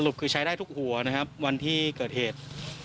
คือใช้ได้ทุกหัวนะครับวันที่เกิดเหตุ